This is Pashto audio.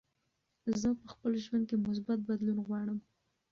زه په خپل ژوند کې مثبت بدلون غواړم.